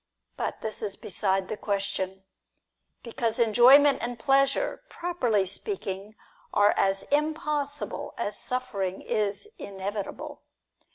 But this is beside the question, because enjoyment and pleasure, properly speaking, are as impossible as suffering is inevi table.